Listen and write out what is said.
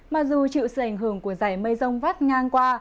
mặc dù chịu sự ảnh hưởng của giải mây rông vắt ngang qua